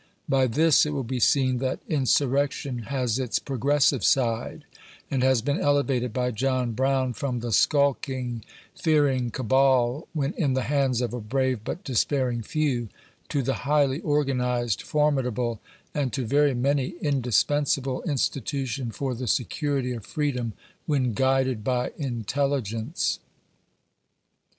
By this, it will be seen that Insurrection has its progressive side, and has been elevated by John Brown from the skulking, fearing cabal, when in the hands of a brave but despairing few, to the highly organized, • formidable, and to very many, indispensable institution for the security of freedom, when guided by intelligence.